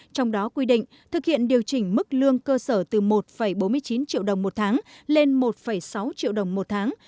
trong đó quy định thực hiện điều chỉnh mức lương cơ sở từ một bốn mươi chín triệu đồng một tháng lên một sáu triệu đồng một tháng